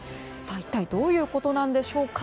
一体どういうことなんでしょうか。